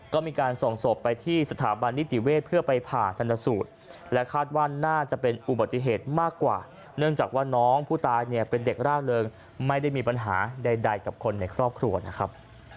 ก็มีการส่งศพไปที่สถาบันนิติเวศเพื่อไปผ่าชนสูตรและคาดว่าน่าจะเป็นอุบัติเหตุมากกว่าเนื่องจากว่าน้องผู้ตายเนี่ยเป็นเด็กร่าเริงไม่ได้มีปัญหาใดกับคนในครอบครัวนะครับ